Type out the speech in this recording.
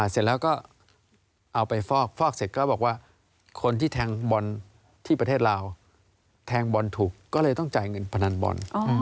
เสร็จแล้วก็เอาไปฟอกฟอกเสร็จก็บอกว่าคนที่แทงบอลที่ประเทศลาวแทงบอลถูกก็เลยต้องจ่ายเงินพนันบอล